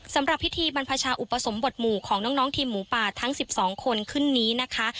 สำหรับพิธีบรรพชาอุปสมบทหมู่ของน้องทีมหมูป่าทั้ง๑๒คนขึ้นนี้นะคะ